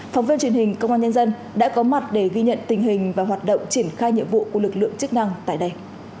phóng viên truyền hình công an nhân dân đã có mặt để ghi nhận tình hình và hoạt động triển khai nhiệm vụ của lực lượng chức năng tại đây